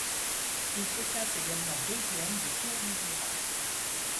Il se classe également deuxième du Tour du Jura.